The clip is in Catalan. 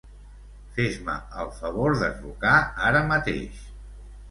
Fes-me el favor de trucar ara mateix.